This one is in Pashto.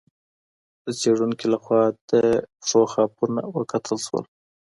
د څېړونکي لخوا د پښو خاپونه وکتل سول.